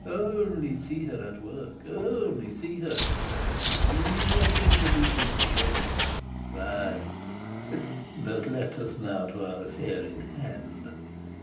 Only see her at work! only see her! If we go into 'business' together, why But let us now to our affair in hand.